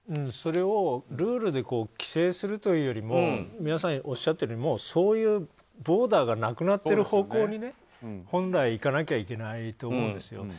それをルールで規制するというよりも皆さん、おっしゃっているようにそういうボーダーがなくなってる方向に本来、いかないといけないと思うんですよ。